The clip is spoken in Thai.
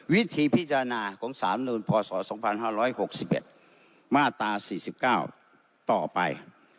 วิธีพิจารณาของสารรัฐธรรมนูลพศสองพันห้าร้อยหกสิบเอ็ดมาตราสี่สิบเก้าต่อไป